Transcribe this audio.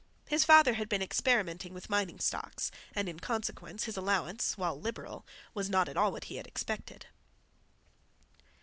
His father had been experimenting with mining stocks and, in consequence, his allowance, while liberal, was not at all what he had expected.